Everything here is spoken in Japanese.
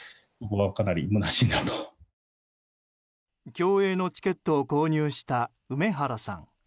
競泳のチケットを購入した梅原さん。